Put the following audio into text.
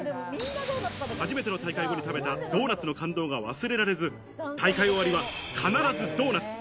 初めての大会後に食べたドーナツの感動が忘れられず、大会終わりは必ずドーナツ。